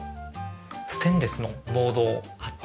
ステンレスのボードを貼って。